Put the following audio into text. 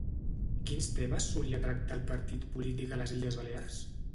Quins temes solia tractar el partit polític a les Illes Balears?